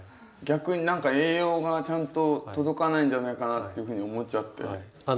逆に何か栄養がちゃんと届かないんじゃないかなっていうふうに思っちゃって。